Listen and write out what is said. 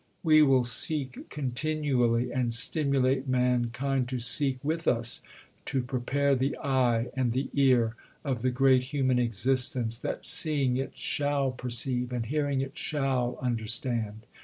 We will seek continually (and stimulate mankind to seek with us) to prepare the eye and the ear of the great human existence that seeing it shall perceive, and hearing it shall understand....